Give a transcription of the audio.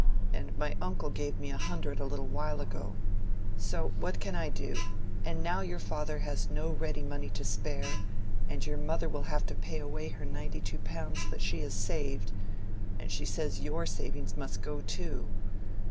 And my uncle gave me a hundred a little while ago. So what can I do? And now your father has no ready money to spare, and your mother will have to pay away her ninety two pounds that she has saved, and she says your savings must go too.